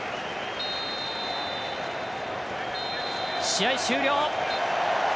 試合終了！